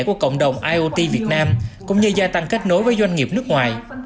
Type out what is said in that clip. của cộng đồng iot việt nam cũng như gia tăng kết nối với doanh nghiệp nước ngoài